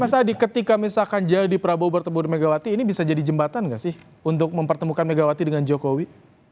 mas adi ketika misalkan jadi prabowo bertemu dengan megawati ini bisa jadi jembatan nggak sih untuk mempertemukan megawati dengan jokowi